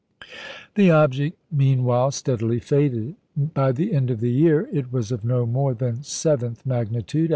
The object, meanwhile, steadily faded. By the end of the year it was of no more than seventh magnitude.